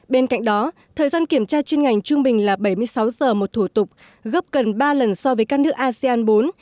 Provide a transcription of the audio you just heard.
bên cạnh đó thời gian kiểm tra chuyên ngành trung bình là bảy mươi sáu giờ một thủ tục gấp gần ba lần so với các nước asean bốn